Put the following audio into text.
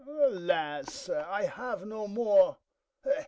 Alas, sir, I have no more!